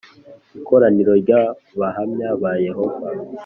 ikoraniro ry Abahamya ba Yehova